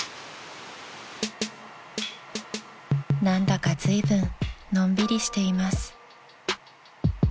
［何だかずいぶんのんびりしています］